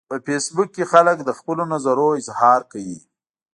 په فېسبوک کې خلک د خپلو نظرونو اظهار کوي